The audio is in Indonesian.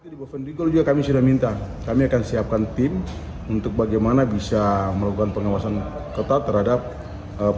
di boven di goel juga kami sudah minta kami akan siapkan tim untuk bagaimana bisa melakukan pengawasan kota terhadap penjualan emas